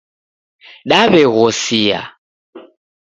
Daw'eghosia